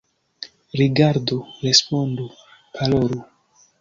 Rigardu, respondu, parolu!